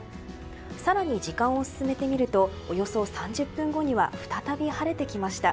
更に時間を進めてみるとおよそ３０分後には再び晴れてきました。